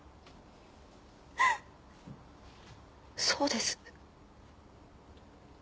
そうです。